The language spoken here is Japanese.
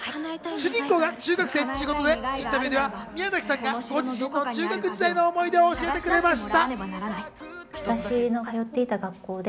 主人公が中学生ということでインタビューでは、宮崎さんが中学時代の思い出を教えてくれました。